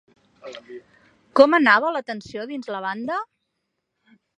Com anava la tensió dins la banda?